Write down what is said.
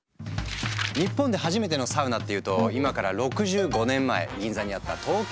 日本で初めてのサウナっていうと今から６５年前銀座にあった「東京温泉」。